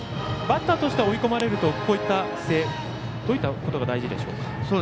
バッターとしては追い込まれるとどういったことが大事でしょうか。